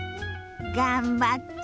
頑張って！